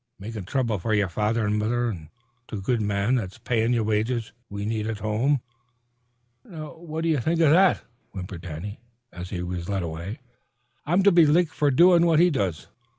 "Makin' throuble f'r father an' mother an' th' good man that's payin' ye wages we need at home," added Mrs. Burke. "Now, what do you think of that?" whimpered Danny, as he was led away. "I'm to be licked fer doin' what he does.